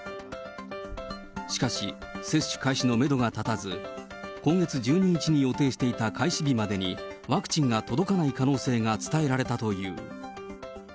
しかし接種開始のメドが立たず、今月１２日に予定していた開始日までに、ワクチンが届かない可能性が伝えられたという。